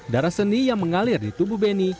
darah seni yang mengalir di tubuh beni